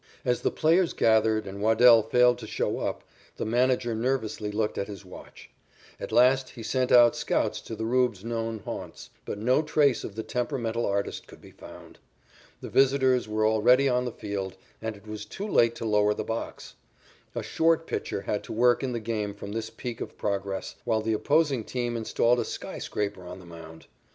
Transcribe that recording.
As the players gathered, and Waddell failed to show up, the manager nervously looked at his watch. At last he sent out scouts to the "Rube's" known haunts, but no trace of the temperamental artist could be found. The visitors were already on the field, and it was too late to lower the box. A short pitcher had to work in the game from this peak of progress, while the opposing team installed a skyscraper on the mound.